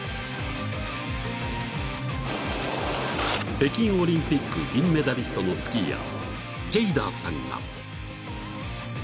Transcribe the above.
［北京オリンピック銀メダリストのスキーヤージェイダーさんが］